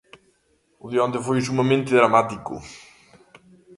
O de onte foi sumamente dramático.